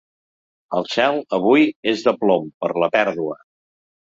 El cel, avui, és de plom, per la pèrdua.